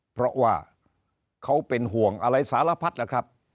เพราะว่าเขาเป็นห่วงอะไรสารพัดล่ะครับ